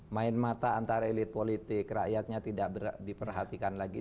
main mata antara elit politik rakyatnya tidak diperhatikan lagi